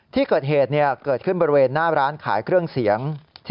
ที่เกิดเหตุเกิดขึ้นบริเวณหน้าร้านขายเครื่องเสียง